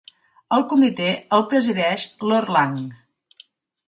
El comitè el presideix Lord Lang.